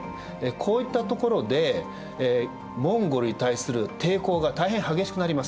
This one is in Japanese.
こういった所でモンゴルに対する抵抗が大変激しくなります。